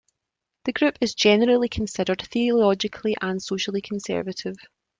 The group is generally considered theologically and socially conservative.